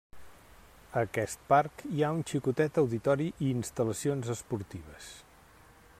A aquest parc hi ha un xicotet auditori i instal·lacions esportives.